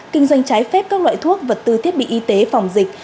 kinh doanh trái phép các loại thuốc vật tư thiết bị y tế phòng dịch